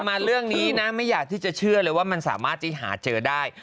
มาเรื่องนี้นะไม่อยากที่จะเชื่อเลยว่ามันสามารถที่หาเจอได้